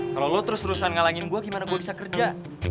kalau lo terus terusan ngalangin gue gimana gue bisa kerja